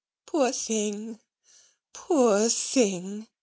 "Poor thing! poor thing!"